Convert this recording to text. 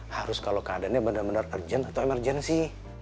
harus kalo keadaannya bener bener urgent atau emergency